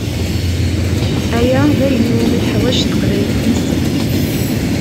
Ayagi d ayen iwumi teḥwaǧ teqbaylit nezzeh.